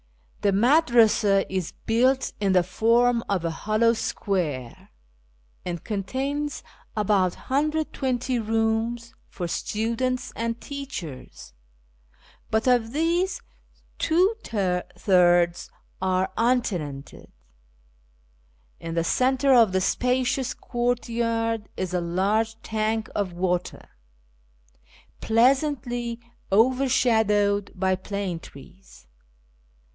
I'lie Madvasa is built in the furm o|' ;i liollow square, and contains about 120 rooms for students and teachers, but of these two thirds arc untenanted. In llic centre of the spacious courtyard is a large tank of water, pleasantly overshadowed by plane trees.